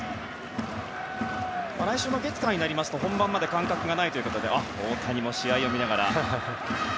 来週の月火になりますと本番まで間隔がないということで大谷も試合を見ながら。